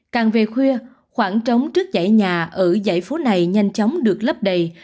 càng về khuya khoảng trống trước dãy nhà ở dãy phố này nhanh chóng được lấp đầy